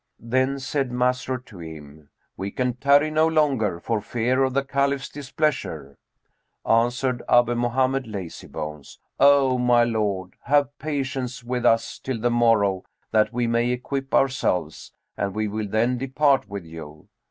Then said Masrur to him, "We can tarry no longer for fear of the Caliph's displeasure." Answered Abu Mohammed Lazybones, "O my lord, have patience with us till the morrow, that we may equip ourselves, and we will then depart with you."